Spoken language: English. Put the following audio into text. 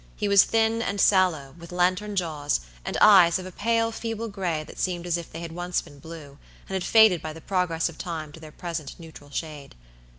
He was thin and sallow, with lantern jaws, and eyes of a pale, feeble gray, that seemed as if they had once been blue, and had faded by the progress of time to their present neutral shade.